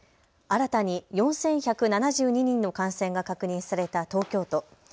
新たに４１７２人の感染が確認された東京都。